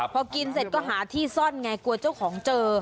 พอกินเสร็จก็หาที่ซ่อนไงกลัวเจ้าของเจอ